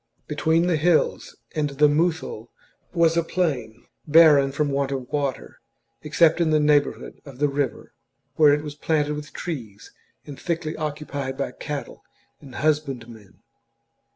Between the hills and the Muthul was a plain, barren from want of water, except in the neighbourhood of the river, where it was planted with trees and thickly occupied by cattle and husbandmen.